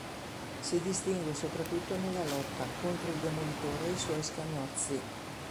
Si distingue soprattutto nella lotta contro il Demolitore e i suoi scagnozzi.